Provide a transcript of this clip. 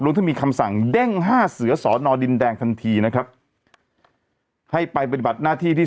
ทั้งมีคำสั่งเด้งห้าเสือสอนอดินแดงทันทีนะครับให้ไปปฏิบัติหน้าที่ที่